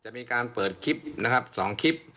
จะมีการเปิดคลิปนะครับ๒คลิป